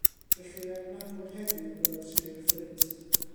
Gellir ei adnabod heddiw fel Sir y Fflint.